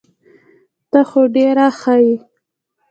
ته خو ډير ښه يي .